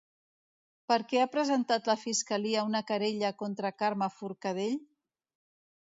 Per què ha presentat la fiscalia una querella contra Carme Forcadell?